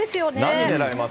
何狙います？